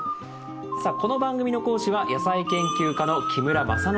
さあこの番組の講師は野菜研究家の木村正典さんです。